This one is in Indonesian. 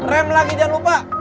rem lagi jangan lupa